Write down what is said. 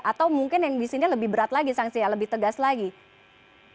atau mungkin yang di sini lebih berat lagi sanksinya lebih tegas lagi